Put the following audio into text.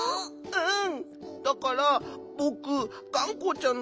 うん。